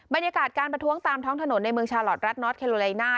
บรรยากาศการประท้วงตามท้องถนนในเมืองชาลอทรัฐนอสเคโลไลน่า